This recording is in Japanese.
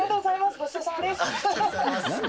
ごちそうさまです。